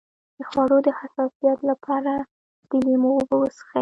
د خوړو د حساسیت لپاره د لیمو اوبه وڅښئ